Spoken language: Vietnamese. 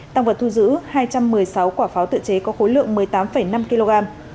tăng vật thu giữ hai trăm một mươi sáu quả pháo tự chế có khối lượng một mươi tám năm kg